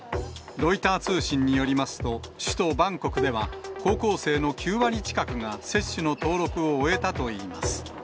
ロイター通信によりますと、首都バンコクでは、高校生の９割近くが接種の登録を終えたといいます。